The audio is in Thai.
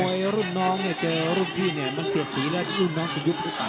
ถ้ารุ่นน้องเจอรุ่นที่มันเสียสีแล้วรุ่นน้องจะยุบหรือเปล่า